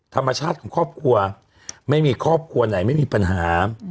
ธรรมชาติของครอบครัวไม่มีครอบครัวไหนไม่มีปัญหา